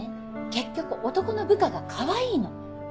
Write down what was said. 結局男の部下がかわいいの。